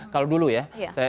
kalau dulu ya